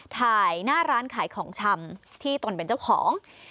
ถ่ายหน้าร้านขายของชำที่ตนเป็นเจ้าของ